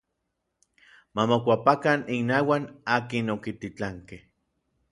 Ma mokuapakan innauak akin okintitlankej.